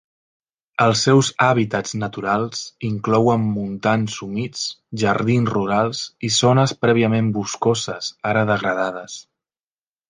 Els seus hàbitats naturals inclouen montans humits, jardins rurals i zones prèviament boscoses ara degradades.